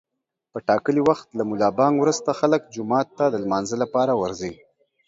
په ټاکلي وخت له ملابانګ روسته خلک جومات ته د لمانځه لپاره ورځي.